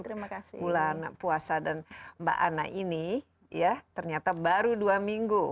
kita sudah masuk bulan puasa dan mbak anne ini ya ternyata baru dua minggu